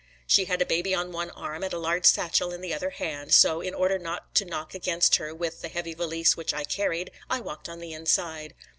She had a baby on one arm and a large satchel in the other hand, so in order not to knock against her with the heavy valise which I carried, I walked on the inside.